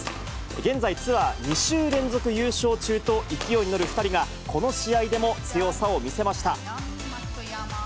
現在、ツアー２週連続優勝中と勢いに乗る２人が、この試合でも強さを見せました。